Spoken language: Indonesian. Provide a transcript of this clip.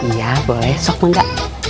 iya boleh sok suka